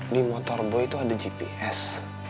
di motor boy itu ada gps